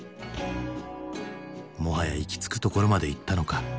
もはや行き着くところまでいったのか。